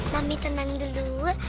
mami tenang dulu